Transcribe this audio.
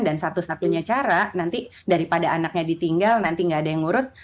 dan satu satunya cara nanti daripada anaknya ditinggal nanti nggak ada yang ngurus